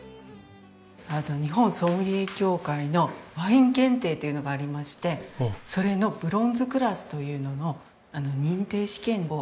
日本ソムリエ協会のワイン検定というのがありましてそれのブロンズクラスというのの認定試験を実施します。